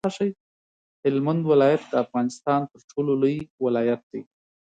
هلمند ولایت د افغانستان تر ټولو لوی ولایت دی.